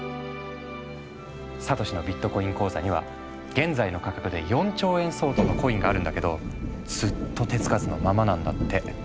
サトシのビットコイン口座には現在の価格で４兆円相当のコインがあるんだけどずっと手つかずのままなんだって。